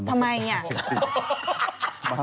ทำไมเงี่ย